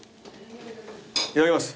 いただきます。